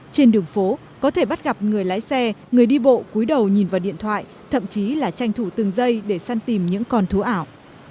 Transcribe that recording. trên đường phố có thể bắt gặp người lái xe người đi bộ cuối đầu nhìn vào điện thoại thậm chí là tranh thủ từng giây để săn tìm những con thú ảo